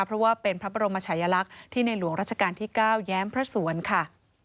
เพราะว่าเป็นพระบรมชายลักษณ์ที่ในหลวงราชการที่๙แย้มพระสวนค่ะ